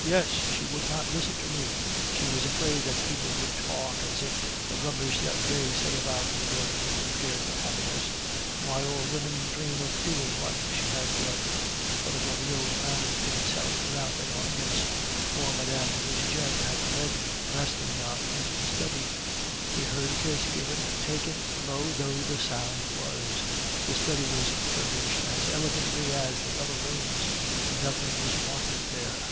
"Yes. She would not listen to me. She was afraid that people would talk, as if the rubbish that they say about you were to be compared with happiness! Why, all women dream of doing what she has done " Father Goriot found himself without an audience, for Mme. de Nucingen had led Rastignac into the study; he heard a kiss given and taken, low though the sound was. The study was furnished as elegantly as the other rooms, and nothing was wanting there.